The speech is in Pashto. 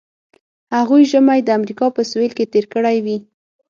هغوی ژمی د امریکا په سویل کې تیر کړی وي